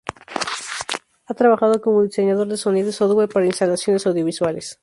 Ha trabajado como diseñador de sonido y software para instalaciones audio-visuales.